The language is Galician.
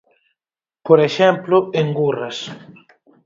Por exemplo, Engurras.